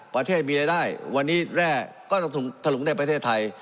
ประเทศมีรายได้วันนี้แร่ก็ต้องถลุงในประเทศไทย